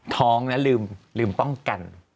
ท้องนะลืมป้องกัน